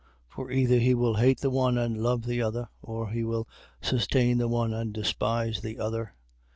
For either he will hate the one, and love the other: or he will sustain the one, and despise the other.